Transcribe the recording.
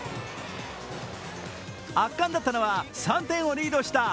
圧巻だったのは３点をリードした